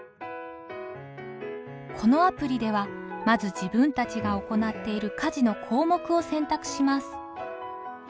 このアプリではまず自分たちが行っている家事の項目を選択します。